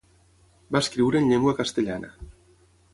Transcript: Va escriure en llengua castellana.